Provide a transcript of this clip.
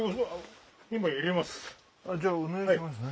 じゃあお願いしますね。